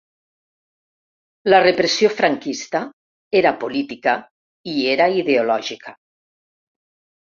La repressió franquista era política i era ideològica.